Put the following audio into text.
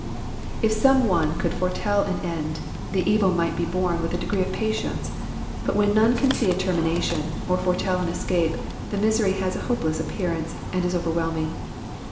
"*^ If some one could foretell an end, the evil might be borne with a degree of patience, but when none can see a termination, or foretell an escape, the misery has a hopeless appearance, and is overwhelming.